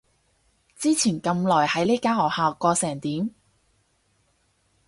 之前咁耐喺呢間學校過成點？